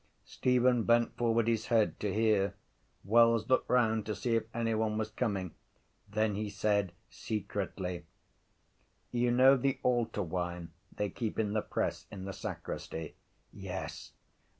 Stephen bent forward his head to hear. Wells looked round to see if anyone was coming. Then he said secretly: —You know the altar wine they keep in the press in the sacristy? —Yes.